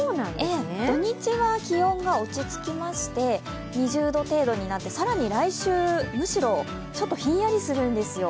土日は気温が落ち着きまして２０度程度になって、更に来週、むしろひんやりするんですよ。